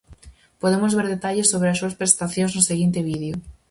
Podemos ver detalles sobre as súas prestacións no seguinte vídeo: